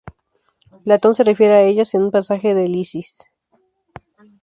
Platón se refiere a ellas en un pasaje de Lisis.